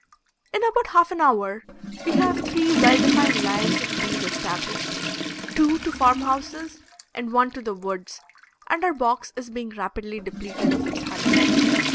In about half an hour we have three well defined lines of bees established two to farm houses and one to the woods, and our box is being rapidly depleted of its honey.